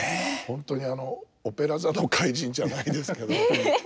本当にあの「オペラ座の怪人」じゃないですけど。え。